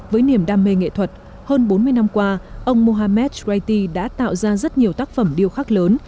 với niềm đam mê nghệ thuật hơn bốn mươi năm qua ông mohammed traiti đã tạo ra rất nhiều tác phẩm điêu khắc lớn